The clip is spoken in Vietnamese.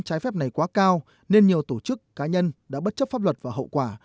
trái phép này quá cao nên nhiều tổ chức cá nhân đã bất chấp pháp luật và hậu quả